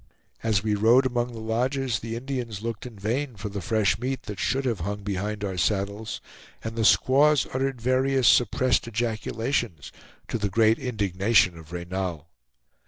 As we rode among the lodges, the Indians looked in vain for the fresh meat that should have hung behind our saddles, and the squaws uttered various suppressed ejaculations, to the great indignation of Reynal.